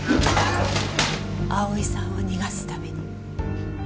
蒼さんを逃がすために。